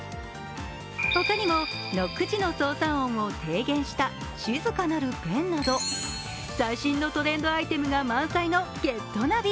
ほかにもノック時の操作音を低減した静かなるペンなど最新のトレンドアイテムが満載の「ＧｅｔＮａｖｉ」。